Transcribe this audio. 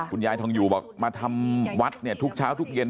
คุณยายทองอยู่บอกมาทำวัดเนี่ยทุกเช้าทุกเย็น